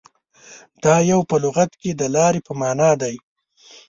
• دایو په لغت کې د لارې په معنیٰ دی.